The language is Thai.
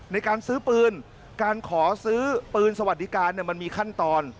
ในการซื้อปืนการขอซื้อปืนสวัสดิการมันมีขั้นตอน